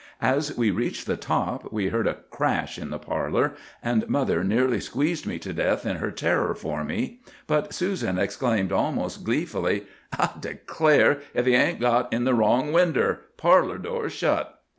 As we reached the top we heard a crash in the parlor, and mother nearly squeezed me to death in her terror for me; but Susan exclaimed almost gleefully,— "'I declare, if he ain't got in the wrong winder! Parlor door's shut!